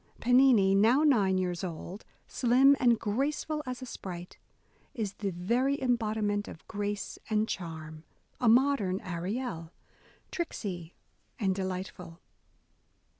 Pennini, now nine years old, slim and graceful as a sprite, is the very embodiment of grace and charm, — a modern Ariel, "tricksy" and delightful.